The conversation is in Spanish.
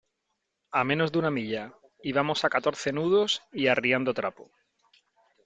a menos de una milla . y vamos a catorce nudos y arriando trapo .